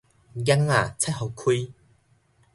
鈃仔切予開